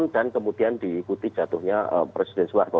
dan kemudian diikuti jatuhnya presiden suarbo